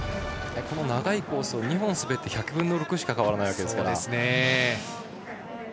この長いコースを２本滑って１００分の６しか変わらないわけですから。